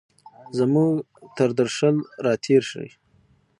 زموږ تردرشل، را تېرشي